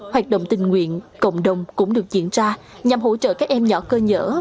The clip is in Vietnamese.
hoạt động tình nguyện cộng đồng cũng được diễn ra nhằm hỗ trợ các em nhỏ cơ nhở